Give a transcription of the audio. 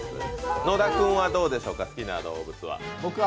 野田君はどうでしょうか、好きな動物は？